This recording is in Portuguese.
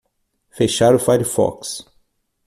Fechar o firefox